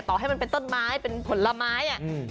ต่อให้มันเป็นต้นไม้ผลไม้